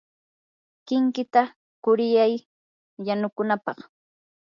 kinkita quriyay yanukunapaq.